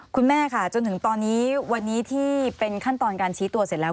คุณแม่ค่ะจนถึงตอนนี้วันนี้ที่เป็นขั้นตอนการชี้ตัวเสร็จแล้ว